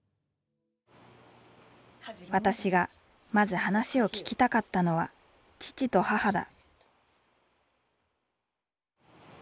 私がまず話を聞きたかったのは父と母だ。